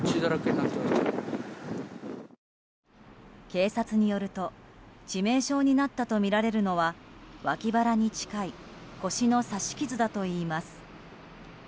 警察によると致命傷になったとみられるのは脇腹に近い腰の刺し傷だといいます。